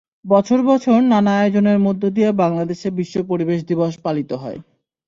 বছর বছর নানা আয়োজনের মধ্য দিয়ে বাংলাদেশে বিশ্ব পরিবেশ দিবস পালিত হয়।